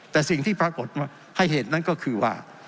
แต่สิ่งที่ปรากฏให้เห็นนั้นก็คือว่า